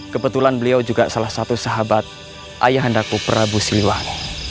kebetulan beliau juga salah satu sahabat ayah hendakku prabu silah